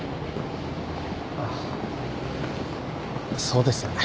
ああそうですよね。